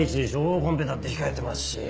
コンペだって控えてますし。